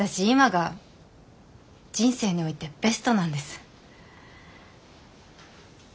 今が人生においてベストなんです。